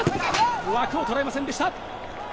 枠をとらえませんでした。